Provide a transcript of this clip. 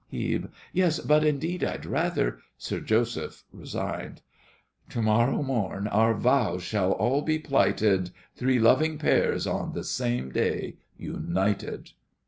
HEBE. Yes, but indeed I'd rather— SIR JOSEPH (resigned). To morrow morn our vows shall all be plighted, Three loving pairs on the same day united!